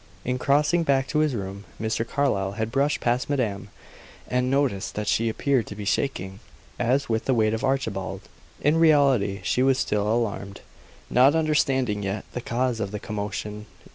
In crossing back to his room, Mr. Carlyle had brushed past madame, and noticed that she appeared to be shaking, as with the weight of Archibald. In reality she was still alarmed, not understanding yet the cause of the commotion.